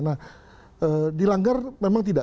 nah dilanggar memang tidak